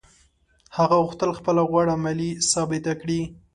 هغه غوښتل خپله غوړه مالي ثابته کړي.